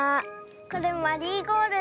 これマリーゴールド。